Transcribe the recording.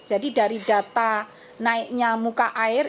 jadi dari data naiknya muka air